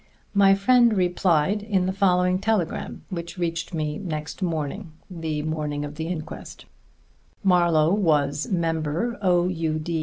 My friend replied in the following telegram, which reached me next morning (the morning of the inquest): Marlowe was member O.U.